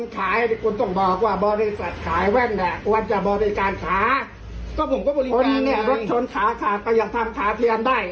ต้องยากช้นขาขาก็ยากทำขาเตียนได้